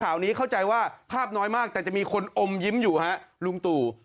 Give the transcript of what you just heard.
ข่าวนี้เข้าใจว่าภาพน้อยมากแต่จะมีคนอมยิ้มอยู่ฮะลุงตู่